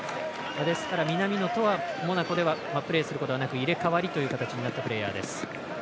ですから、南のモナコではプレーすることなく入れ代わりという形になったプレーヤーです。